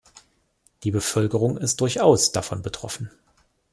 Die Bevölkerung ist durchaus davon betroffen.